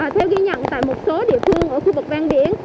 theo ghi nhận tại một số địa phương ở khu vực ven biển